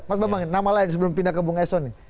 mas bambang nama lain sebelum pindah ke bung eson nih